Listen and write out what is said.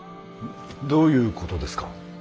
どういうことですか？